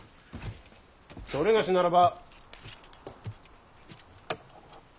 某ならば。